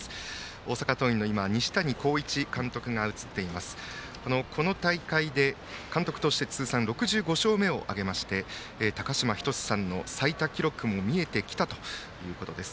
大阪桐蔭の西谷浩一監督はこの大会で、監督として通算６５勝目を挙げまして高嶋仁さんの最多記録も見えてきたというところです。